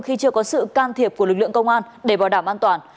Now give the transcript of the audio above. khi chưa có sự can thiệp của lực lượng công an để bảo đảm an toàn